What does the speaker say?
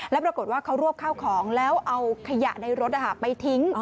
แล้วปรากฏว่าเขารวบข้าวของแล้วเอาขยะในรถไปทิ้ง